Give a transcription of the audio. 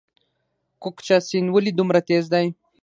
کوکچه سیند ولې دومره تیز دی؟